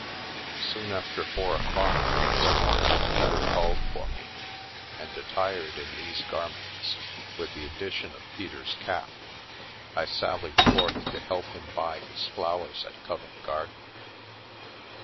Soon after four o'clock the next morn ing Peter called for me, and, attired in these garments, with the addition of Peter's cap, I sallied forth to help him buy his flowers at Covent Garden.